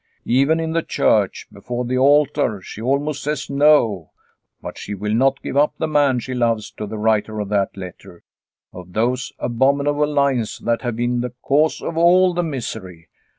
Even in the church before the altar she almost says " No," but she will not give up the man she loves to the writer of that letter, of those abominable lines that have been the cause of all the misery.